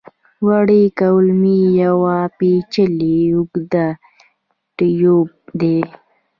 وړې کولمې یو پېچلی اوږد ټیوب دی.